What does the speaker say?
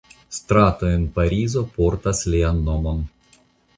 Strato en Parizo portas lian nomon.